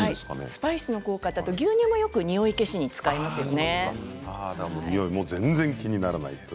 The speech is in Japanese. スパイスの効果と牛乳もよくにおい消しに使いますからね。